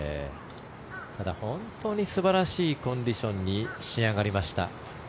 ただ、本当に素晴らしいコンディションに仕上がりました。